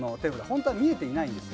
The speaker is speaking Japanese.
本当は見えていないんです